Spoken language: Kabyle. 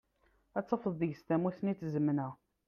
Dd tafeḍ deg-s tamusni d tzemna.